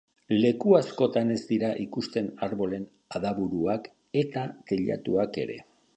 Leku askotan ez dira ikusten arbolen adaburuak eta teilatuak ere.